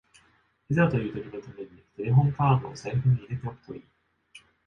いざという時のためにテレホンカードを財布に入れておくといい